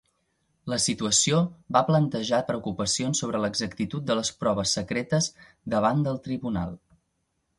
La situació va plantejar preocupacions sobre l'exactitud de les proves secretes davant del tribunal.